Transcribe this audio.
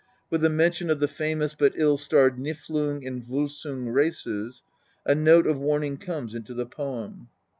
With the mention of the famous but ill starred Niflung and Volsung races, a note of warning comes into the poem.